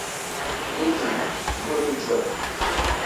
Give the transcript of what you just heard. ایتی گولی تل۔